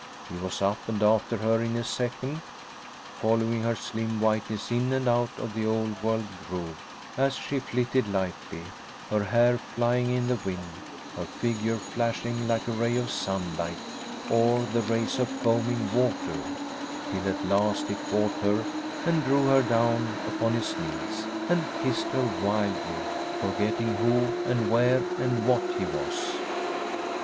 He was up and after her in a second, following her slim whiteness in and out of the old world grove, as she flitted lightly, her hair flying in the wind, her figure flashing like a ray of sunlight or the race of foaming water till at last he caught her and drew her down upon his knees, and kissed her wildly, forgetting who and where and what he was.